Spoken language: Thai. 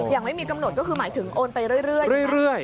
ยังไม่มีกำหนดก็คือหมายถึงโอนไปเรื่อย